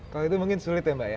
kalau itu mungkin sulit ya mbak ya